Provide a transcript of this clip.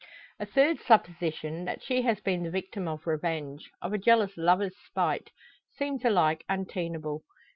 A third supposition, that she has been the victim of revenge of a jealous lover's spite seems alike untenable.